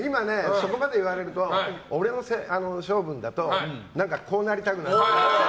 そこまで言われると俺の性分だとこうなりたくなっちゃう。